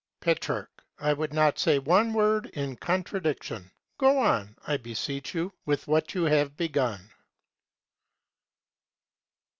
Petrarch. I would not say one word in contradiction. Go on, I beseech you, with what you have begun.